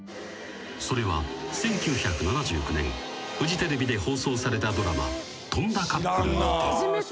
［それは１９７９年フジテレビで放送されたドラマ『翔んだカップル』にて］